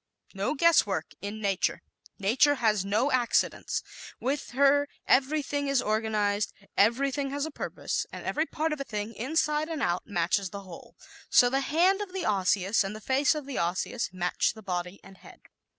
No Guesswork in Nature ¶ Nature has no accidents. With her everything is organized, everything has a purpose, and every part of a thing, inside and out, matches the whole. So the hand of the Osseous and the face of the Osseous match the body and head.